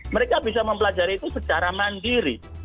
mereka bisa mempelajari itu secara mandiri